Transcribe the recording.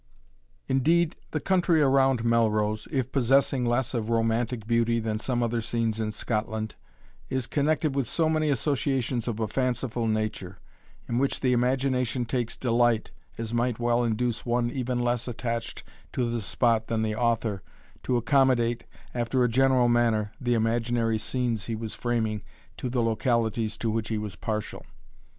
Indeed, the country around Melrose, if possessing less of romantic beauty than some other scenes in Scotland, is connected with so many associations of a fanciful nature, in which the imagination takes delight, as might well induce one even less attached to the spot than the author, to accommodate, after a general manner, the imaginary scenes he was framing to the localities to which he was partial.